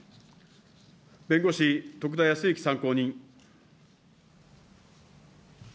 弁護士、徳田靖之参考人。